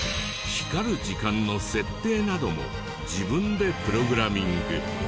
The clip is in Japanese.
光る時間の設定なども自分でプログラミング。